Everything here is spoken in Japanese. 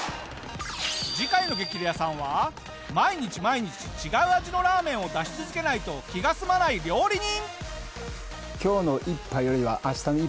次回の『激レアさん』は毎日毎日違う味のラーメンを出し続けないと気が済まない料理人！